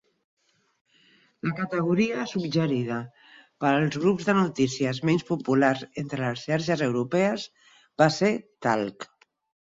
La categoria suggerida per als grups de notícies menys populars entre les xarxes europees va ser "talk".